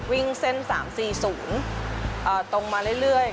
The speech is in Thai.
วิ่งเส้น๓๔๐ตรงมาเรื่อย